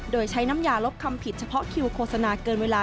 โดยใช้น้ำยาลบคำผิดเฉพาะคิวโฆษณาเกินเวลา